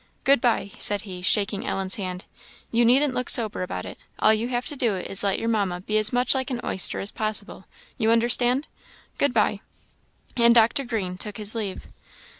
Good bye," said he, shaking Ellen's hand; "you needn't look sober about it; all you have to do is to let your Mamma be as much like an oyster as possible; you understand? Good bye." And Dr. Green took his leave.